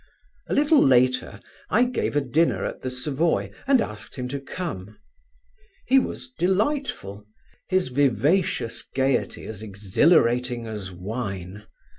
A little later I gave a dinner at the Savoy and asked him to come. He was delightful, his vivacious gaiety as exhilarating as wine.